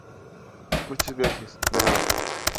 muchas gracias. de nada.